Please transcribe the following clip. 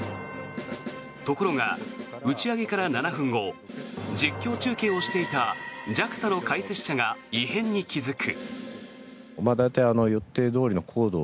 ところが、打ち上げから７分後実況中継をしていたＪＡＸＡの解説者が異変に気付く。